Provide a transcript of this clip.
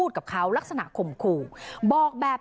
โดนสั่งแอป